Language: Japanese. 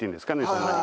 そんなに。